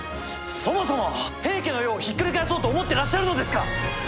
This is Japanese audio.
そもそも平家の世をひっくり返そうと思ってらっしゃるのですか！